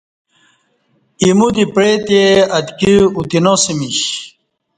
ایمو دی پعتے اتکی اتناسمیش